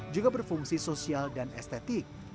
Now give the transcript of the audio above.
juga berfungsi sosial dan estetik